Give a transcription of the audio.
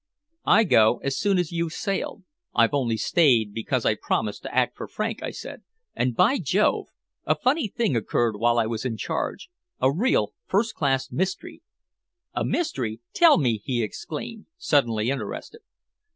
"I go as soon as you've sailed. I only stayed because I promised to act for Frank," I said. "And, by Jove! a funny thing occurred while I was in charge a real first class mystery." "A mystery tell me," he exclaimed, suddenly interested.